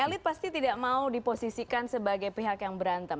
elit pasti tidak mau diposisikan sebagai pihak yang berantem